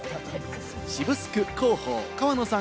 渋スク広報・川野さん